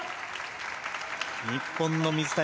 日本の水谷